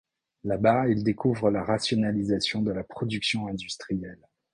Là-bas il découvre la rationalisation de la production industrielle.